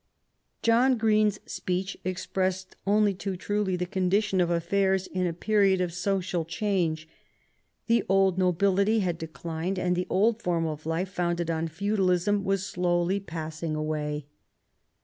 John Greene's speech expressed only too truly the condition of affairs in a period of social change. The old nobility had declined, and the old form of life founded on feudalism was slowly passing away.